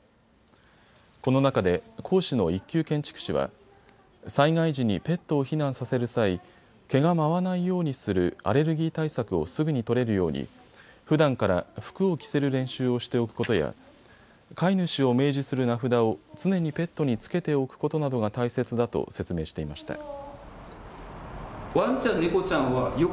この中で講師の１級建築士は災害時にペットを避難させる際、毛が舞わないようにするアレルギー対策をすぐに取れるようにふだんから服を着せる練習をしておくことや飼い主を明示する名札を常にペットにつけておくことなどが大切だと説明していました。